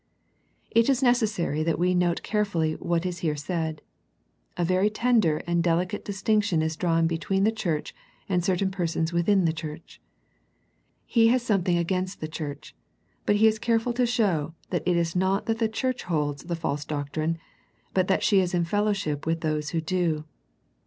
It is necessary that we note care fully what is here said. A very tender and delicate distinction is drawn between the church and certain persons within the church. He has something against the church, but He is care ful to show that it is not that the church holds the false doctrine, but that she has fellowship with those who do.